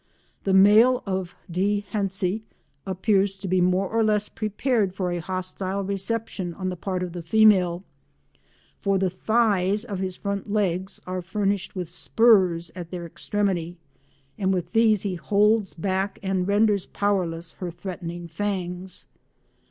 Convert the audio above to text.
The male of D. hentzi appears to be more or less prepared for a hostile reception on the part of the female, for the thighs of his front legs are furnished with spurs at their extremity and with these he holds back and renders powerless her threatening fangs.